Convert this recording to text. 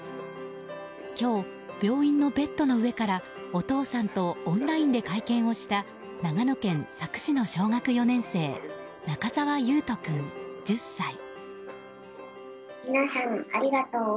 今日、病院のベッドの上からお父さんとオンラインで会見をした長野県佐久市の小学４年生中沢維斗君、１０歳。